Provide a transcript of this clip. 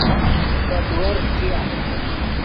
پے تیور فݯیا